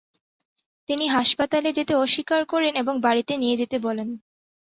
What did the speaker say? তিনি হাসপাতালে যেতে অস্বীকার করেন এবং বাড়িতে নিয়ে যেতে বলেন।